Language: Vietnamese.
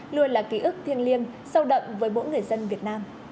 luôn là ký ức thiêng liêng sâu đậm với mỗi người dân việt nam